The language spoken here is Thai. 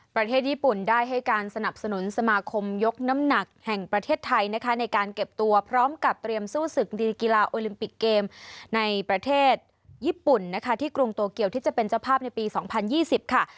ประเทศญี่ปุ่นได้ให้การสนับสนุนสมาคมยกน้ำหนักแห่งประเทศไทยนะคะในการเก็บตัวพร้อมกับเตรียมสู้ศึกดีกีฬาโอลิมปิกเกมในประเทศญี่ปุ่นนะคะที่กรุงโตเกียวที่จะเป็นเจ้าภาพในปี๒๐๒๐ค่ะ